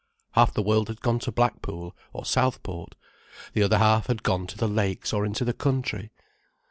Half the world had gone to Blackpool or Southport, the other half had gone to the Lakes or into the country.